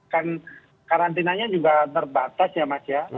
karena karantinanya juga terbatas ya mas ya